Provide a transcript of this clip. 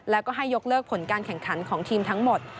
แล้วก็ให้ยกเลิกผลการแข่งขันของทีมทั้งหมด